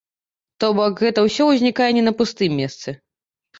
То бок, гэта ўсё ўзнікае не на пустым месцы.